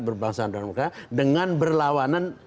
berbangsa dan negara dengan berlawanan